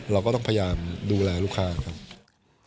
เราก็ต้องพยายามดูแลลูกค้าครับ